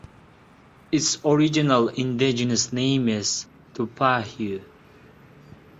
Its original indigenous name is "Tupahue".